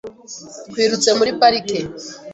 Twirutse muri parike .